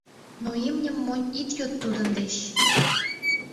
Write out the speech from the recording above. Но имньым монь ит йод тудын деч.